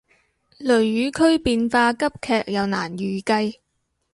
雷雨區變化急劇又難預計